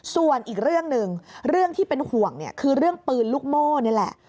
ส่วนอีกเรื่องหนึ่งเรื่องที่เป็นห่วงเนี่ยคือเรื่องปืนลูกโม่นี่แหละ